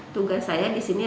tugas saya di sini